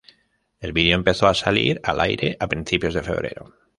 El vídeo empezó a salir al aire a principios de febrero.